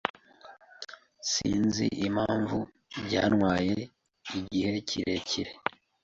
Sinzi impamvu byantwaye igihe kirekire.